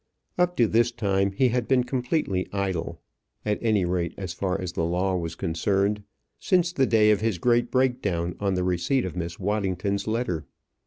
Up to this time he had been completely idle at any rate, as far as the law was concerned since the day of his great break down on the receipt of Miss Waddington's letter.